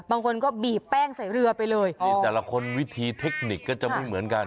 บางคนก็บีบแป้งใส่เรือไปเลยนี่แต่ละคนวิธีเทคนิคก็จะไม่เหมือนกัน